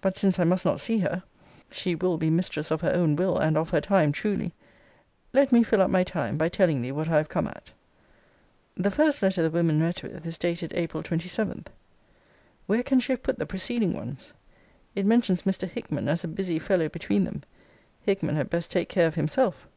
But since I must not see her, [she will be mistress of her own will, and of her time, truly!] let me fill up my time, by telling thee what I have come at. The first letter the women met with, is dated April 27.* Where can she have put the preceding ones! It mentions Mr. Hickman as a busy fellow between them. Hickman had best take care of himself.